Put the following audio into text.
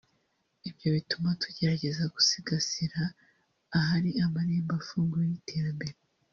Ibyo bituma tugerageza gusigasira ahari amarembo afunguye y’iterambere